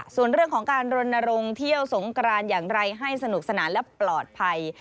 ส่วนเรื่องของการรณรงค์เที่ยวสงกรานอย่างไรให้สนุกสนานและปลอดภัย